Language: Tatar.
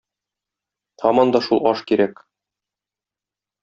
Һаман да шул аш кирәк.